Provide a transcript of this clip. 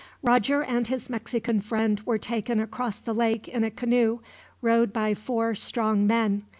Roger and his Mexican friend were taken across the lake in a canoe, rowed by four strong men.